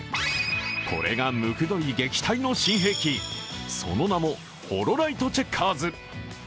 これがムクドリ撃退の新兵器その名もホロライト・チェッカーズ